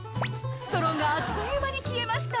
ストローがあっという間に消えました」